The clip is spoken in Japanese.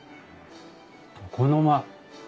床の間。